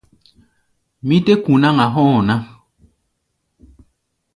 Mí tɛ́ ku̧ náŋ-a hɔ̧́ɔ̧ ná.